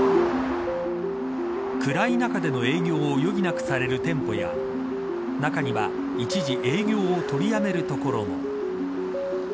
暗い中での営業を余儀なくされる店舗や中には一時営業を取りやめるところも。